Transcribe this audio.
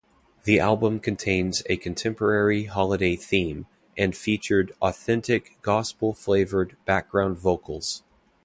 The album contains a contemporary holiday theme, and featured "authentic, gospel flavored background vocals".